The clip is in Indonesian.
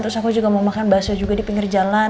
terus aku juga mau makan bakso juga di pinggir jalan